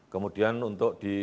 kemudian untuk di